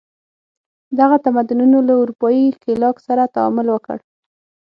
دغه تمدنونو له اروپايي ښکېلاک سره تعامل وکړ.